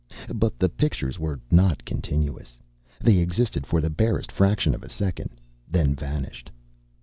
But the pictures were not continuous. They existed for the barest fraction of a second, then vanished.